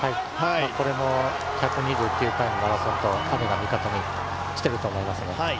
これも１２９回のマラソンと、神が味方にしていると思いますね。